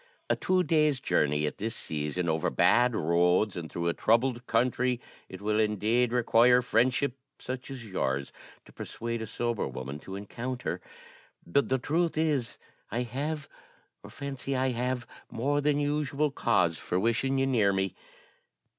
A two days' journey at this season, over bad roads and through a troubled country, it will indeed require friendship such as yours to persuade a sober woman to encounter. But the truth is, I have, or fancy I have, more than usual cause for wishing you near me.